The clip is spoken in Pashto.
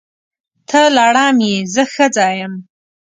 ته لړم یې! زه ښځه یم.